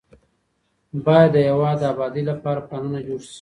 باید د هیواد د ابادۍ لپاره پلانونه جوړ سي.